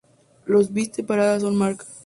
Los bits de parada son "mark".